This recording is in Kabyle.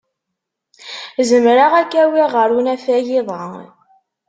Zemreɣ ad k-awiɣ ɣer unafag iḍ-a.